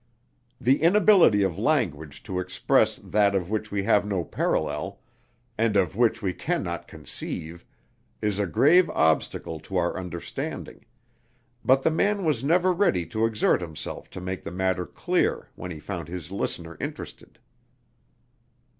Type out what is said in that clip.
The inability of language to express that of which we have no parallel, and of which we can not conceive, is a grave obstacle to our understanding; but the man was ever ready to exert himself to make the matter clear when he found his listener interested.